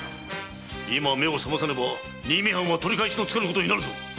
今目を覚まさねば新見藩は取り返しのつかぬことになるぞ！